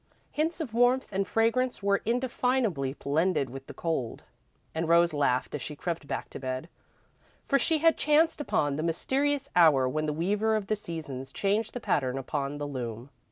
Hints of warmth and fragrance were indefinably blended with the cold, and Rose laughed as she crept back to bed, for she had chanced upon the mysterious hour when the Weaver of the Seasons changed the pattern upon the loom.